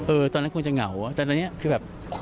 ตอนนั้นคงจะเหงาแต่ตอนนี้คือแบบ